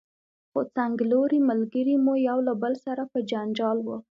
خو څنګلوري ملګري مو یو له بل سره په جنجال وو.